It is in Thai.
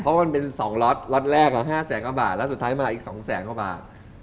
ตอนแรกอะ๕แสงกว่าบาทแล้วสุดท้ายมาอีก๒แสงกว่าบาท